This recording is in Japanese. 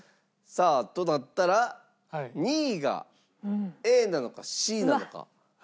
さあとなったら２位がＡなのかＣなのか。